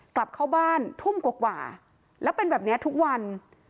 กลับเข้าบ้านทุ่มกว่าแล้วเป็นแบบนี้ทุกวัน